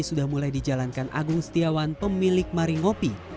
sudah mulai dijalankan agung setiawan pemilik mari ngopi